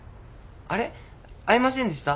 あれ会いませんでした？